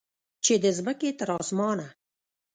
چې د مځکې تر اسمانه